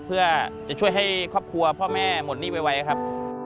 เพื่อจะช่วยให้ครอบครัวพ่อแม่หมดหนี้ไวครับ